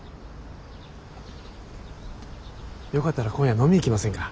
よかったら今夜飲みに行きませんか？